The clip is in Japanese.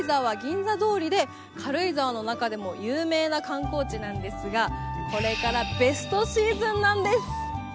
軽井沢の中でも有名な観光地なんですがこれからベストシーズンなんです。